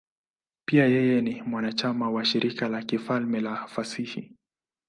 Pia yeye ni mwanachama wa Shirika la Kifalme la Fasihi.